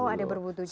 oh ada berwudu juga